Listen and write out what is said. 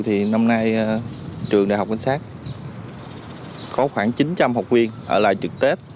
thì năm nay trường đại học bách sát có khoảng chín trăm linh học viên ở lại trực tết